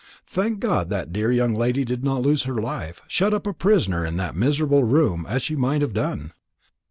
Thank God that dear young lady did not lose her life, shut up a prisoner in that miserable room, as she might have done."